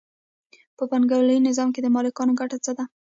په پانګوالي نظام کې د مالکانو ګټه څه ده